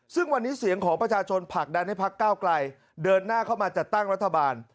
ซึ่งวันนี้เสียงของประชาชนผลักดันให้พักก้าวไกลเดินหน้าเข้ามาจัดตั้งรัฐบาล